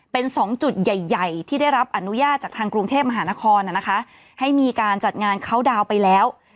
เป็นสองจุดใหญ่ใหญ่ที่ได้รับอนุญาตจากทางกรุงเทพมหานครให้มีการจัดงานเขาดาวน์ไปแล้ว